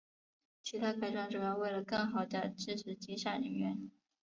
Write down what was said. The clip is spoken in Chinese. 其它改装主要是为了更好地支持机上人员。